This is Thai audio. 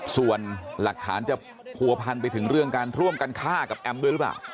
ส่วนหลักฐานจะผัวพันไปถึงเรื่องการร่วมกันฆ่ากับแอมด้วยหรือเปล่า